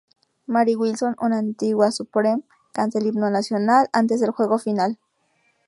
Mary Wilson, una antigua Supreme, canta el himno nacional antes del juego final.